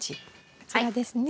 こちらですね。